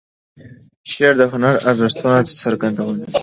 شعر د هنري ارزښتونو څرګندونه ده.